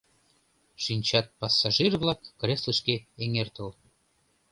Шинчат пассажир-влак, креслышке эҥертыл